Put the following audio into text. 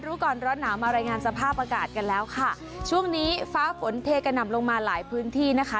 รู้ก่อนร้อนหนาวมารายงานสภาพอากาศกันแล้วค่ะช่วงนี้ฟ้าฝนเทกระหน่ำลงมาหลายพื้นที่นะคะ